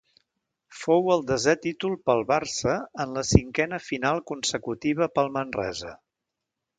Fou el desè títol pel Barça en la cinquena final consecutiva pel Manresa.